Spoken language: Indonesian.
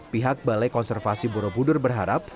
pihak balai konservasi borobudur berharap